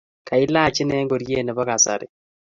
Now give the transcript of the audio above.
Kailach ine ngoriet nebo kasari